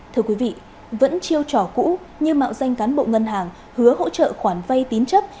thưa quý vị vẫn chiêu trò cũ như mạo danh cán bộ ngân hàng hứa hỗ trợ khoản vay tín chấp